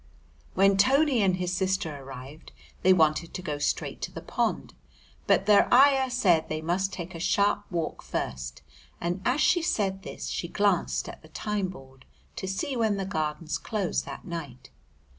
When Tony and his sister arrived they wanted to go straight to the pond, but their ayah said they must take a sharp walk first, and as she said this she glanced at the time board to see when the Gardens closed that night.